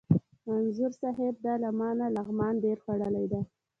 انځور صاحب! ده له ما نه لغمان ډېر خوړلی دی.